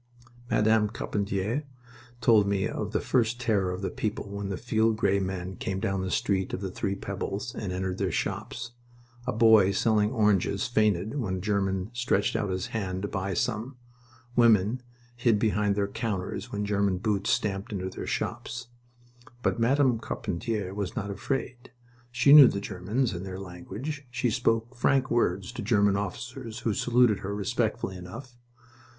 Madame Carpentier told me of the first terror of the people when the field gray men came down the Street of the Three Pebbles and entered their shops. A boy selling oranges fainted when a German stretched out his hand to buy some. Women hid behind their counters when German boots stamped into their shops. But Madame Carpentier was not afraid. She knew the Germans and their language. She spoke frank words to German officers, who saluted her respectfully enough.